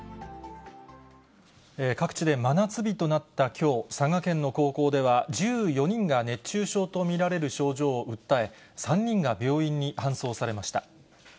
各地で真夏日となったきょう、佐賀県の高校では、１４人が熱中症と見られる症状を訴え、３人が病院に搬送されました。